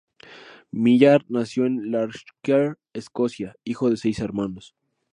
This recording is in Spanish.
Millar nació en Lanarkshire, Escocia, hijo de seis hermanos.